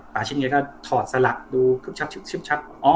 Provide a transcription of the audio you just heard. ป่าชิ้นเองก็ถอดสลักดูชับ